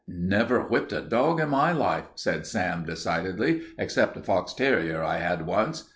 "Never whipped a dog in my life," said Sam, decidedly, "except a fox terrier I had once.